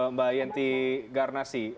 mbak yanti garnasi